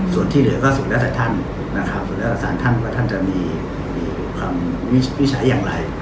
ส่วนที่เหลือก็สุดแล้วแต่ท่านนะครับสุดแล้วแต่สารท่านว่าท่านจะมีความวินิจฉัยอย่างไร